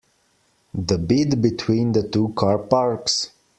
The bit between the two car parks?